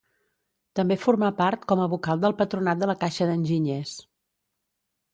També formà part com a vocal del patronat de la Caixa d'Enginyers.